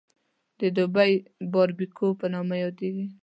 د دوبۍ باربکیو په نامه یادېږي.